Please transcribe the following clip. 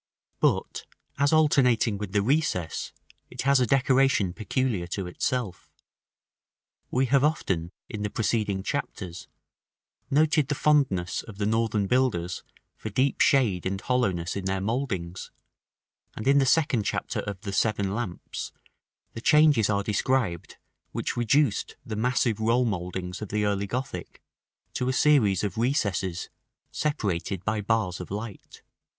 § V. But, as alternating with the recess, it has a decoration peculiar to itself. We have often, in the preceding chapters, noted the fondness of the Northern builders for deep shade and hollowness in their mouldings; and in the second chapter of the "Seven Lamps," the changes are described which reduced the massive roll mouldings of the early Gothic to a series of recesses, separated by bars of light.